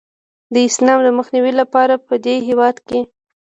د اسلام د مخنیوي لپاره پدې هیواد کې